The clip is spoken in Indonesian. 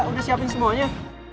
udah siapin semuanya